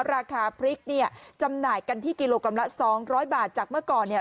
ราคาพริกเนี่ยจำหน่ายกันที่กิโลกรัมละ๒๐๐บาทจากเมื่อก่อนเนี่ย